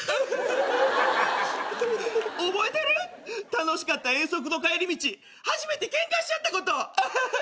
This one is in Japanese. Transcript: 楽しかった遠足の帰り道初めてケンカしちゃったこと。